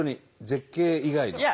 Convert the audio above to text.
絶景以外の。